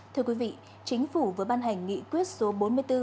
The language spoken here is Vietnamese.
thưa quý vị chính phủ vừa ban hành nghị quyết số bốn mươi bốn